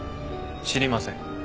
知りません。